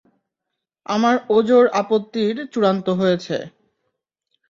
আমার ওযর আপত্তির চূড়ান্ত হয়েছে।